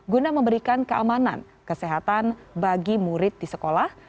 guna memberikan keamanan kesehatan bagi murid di sekolah